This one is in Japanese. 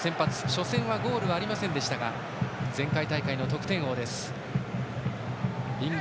初戦はゴールはありませんでしたが前回大会の得点王です、ケイン。